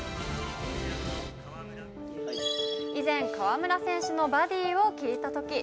以前、河村選手のバディを聞いたとき。